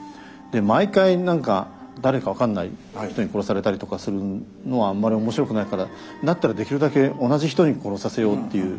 毎回何か誰か分かんない人に殺されたりとかするのはあんまり面白くないからだったらできるだけ同じ人に殺させようっていう。